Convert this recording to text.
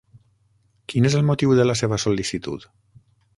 Quin és el motiu de la seva sol·licitud?